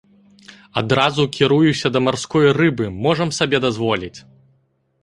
Адразу кіруюся да марской рыбы, можам сабе дазволіць!